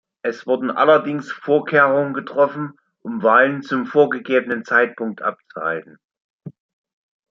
Es wurden allerdings Vorkehrungen getroffen, um Wahlen zum vorgegebenen Zeitpunkt abzuhalten.